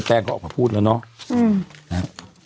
แป้งก็พูดแล้วเนาะ